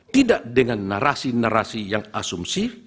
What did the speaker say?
tidak dengan narasi narasi yang asumsi